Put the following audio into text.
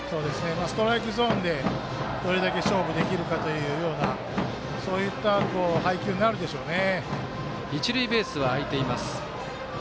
ストライクゾーンでどれだけ勝負できるかというようなそういった配球になるでしょうね。